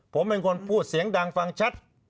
ผมเป็นคนพูดเสียงดังฟังชัด